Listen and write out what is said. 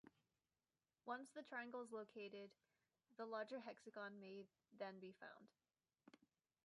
Once the triangle is located, the larger hexagon may then be found.